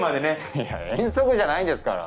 いや遠足じゃないんですから。